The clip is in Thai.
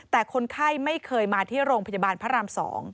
แต่คนไข้ไม่เคยมาที่โรงพยาบาลพระราม๒